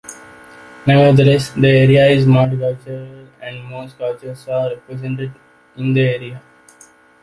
Nevertheless, the area is multicultural and most cultures are represented in the area.